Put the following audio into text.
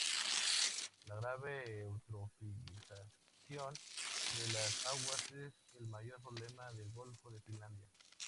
La grave eutrofización de las aguas es el mayor problema del golfo de Finlandia.